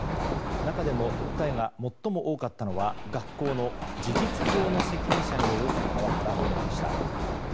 中でも訴えが最も多かったのは学校の事実上の責任者によるパワハラ被害でした。